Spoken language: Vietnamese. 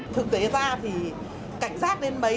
thực tế ra thì cảnh giác đến mấy